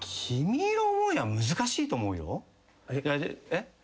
えっ。